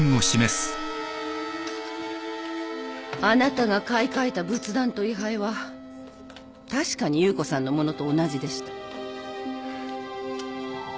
あなたが買い替えた仏壇と位牌は確かに夕子さんのものと同じでした。